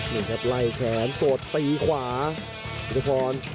นี่ครับไล่แขนตัวตีขวายุทธพร